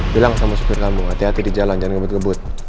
bilang sama supir kampung hati hati di jalan jangan ngebut ngebut